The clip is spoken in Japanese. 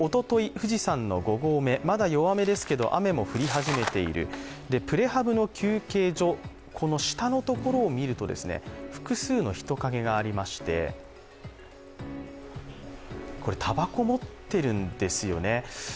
富士山の５合目、まだ弱めですけど雨も降り始めているプレハブの休憩所、この下のところを見ると、複数の人影がありましてたばこを持っているんですよね。